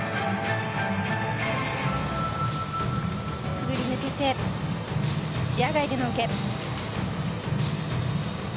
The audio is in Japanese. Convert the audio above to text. くぐり抜けて視野外での受け。